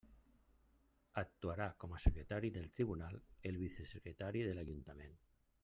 Actuarà com a secretari del Tribunal el vicesecretari de l'Ajuntament.